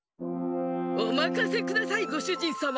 おまかせくださいごしゅじんさま。